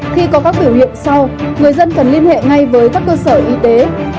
khi có các biểu hiện sau người dân cần liên hệ ngay với các cơ sở y tế